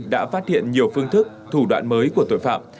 đã phát hiện nhiều phương thức thủ đoạn mới của tội phạm